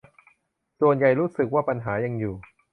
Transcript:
ส่วนใหญ่รู้สึกว่าปัญหายังอยู่